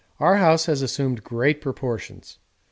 Our house has assumed great proportions.